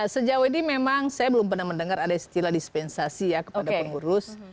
sejauh ini memang saya belum pernah mendengar ada istilah dispensasi ya kepada pengurus